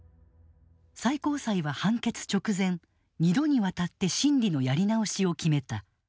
最高裁は判決直前２度にわたって審理のやり直しを決めた。